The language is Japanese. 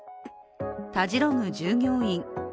たじろぐ従業員。